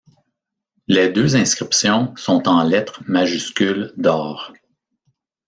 Les deux inscriptions sont en lettres majuscules d'or.